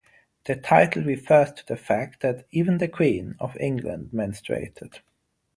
The title refers to the fact that "even the Queen" of England menstruated.